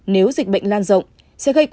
nếu dịch bệnh lan rộng